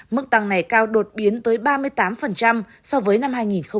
mức tăng này cao đột biến tới ba mươi tám so với năm hai nghìn một mươi bảy